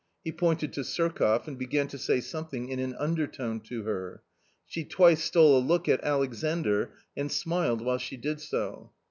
He pointed to Surkoff, and began to say something in an undertone to her. She twice stole a look at Alexandr and smiled while she did so.